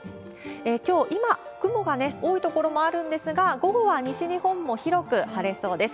きょう、今雲がね、多い所もあるんですが、午後は西日本も広く晴れそうです。